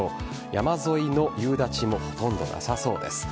山沿いの夕立もほとんどなさそうです。